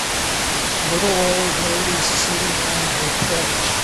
Little Old Lady sitting on her Porch